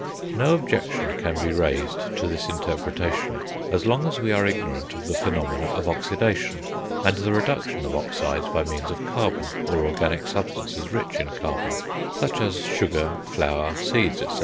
No objection can he raised to this interpretation, as long as we are ignorant of the phenomena of oxidation, and the reduction of oxides by means of carbon, or organic substances rich in carbon, such as sugar, flour, seeds, etc.